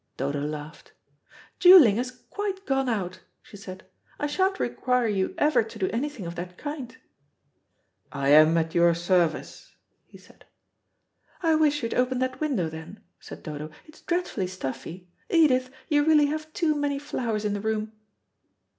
Dodo laughed. "Duelling has quite gone out," she said. "I sha'n't require you ever to do anything of that kind." "I am at your service," he said. "I wish you'd open that window then," said Dodo; "it is dreadfully stuffy. Edith, you really have too many flowers in the room."